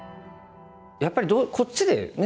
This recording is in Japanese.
やっぱりこっちでね